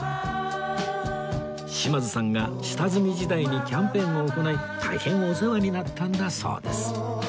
島津さんが下積み時代にキャンペーンを行い大変お世話になったんだそうです